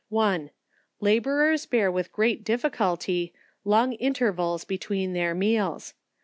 1. Labourers bear with great difficulty, long intervals between their meals.